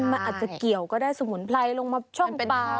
มันอาจจะเกี่ยวก็ได้สมุนไพรลงมาช่องปาก